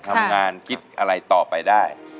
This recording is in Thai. ทำงานคิดอะไรต่อไปได้